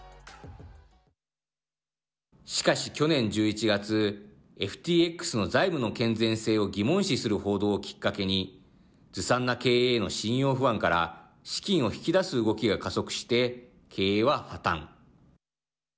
しかし去年１１月ＦＴＸの財務の健全性を疑問視する報道をきっかけにずさんな経営への信用不安から資金を引き出す動きが加速して経営は破綻。